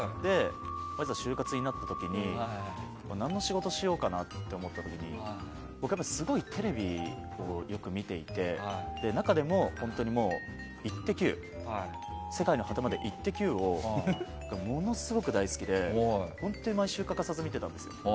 いざ就活になった時に何の仕事をしようと思って僕はすごいテレビをよく見ていて中でも「世界の果てまでイッテＱ！」がものすごく大好きで本当に毎週欠かさず見てたんです。